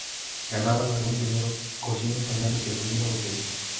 Ganaban algún dinero cosiendo pañales y reuniendo botellas.